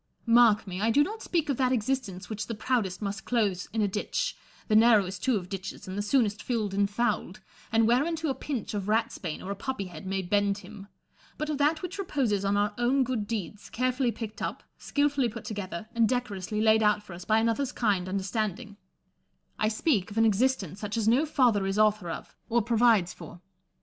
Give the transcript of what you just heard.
Mark me, I do not speak of that existence which the proudest must close in a ditch, — the narrowest, too, of ditches and the soonest filled and fouled, and whereunto a pinch of ratsbane or a poppy head may bend him ; but of that which reposes on our own good deeds, carefully picked up, skilfully put together, and decorously laid out for us by another's kind understanding : I speak of an existence such as no father is author of, or lo IMA GINAR V CONFERS A TIONS. provides for.